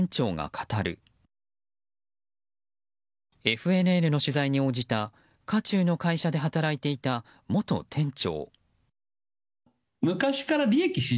ＦＮＮの取材に応じた渦中の会社で働いていた元店長。